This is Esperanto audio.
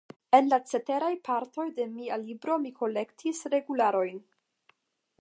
En la ceteraj partoj de mia libro mi kolektis regularojn.